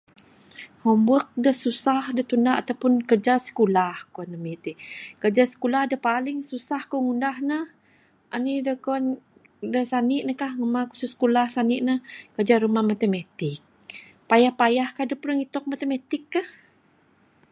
Homework da susah ato pun kiraja sikulah kuan ami ti. Kiraja sikulah da paling susah ku ngundah ne, anih da kuan ne sani ne kah, ngundah kerja khusus sani ne, kerja rumah matematik. Payah payah ka adep ra ngitong matematik kah.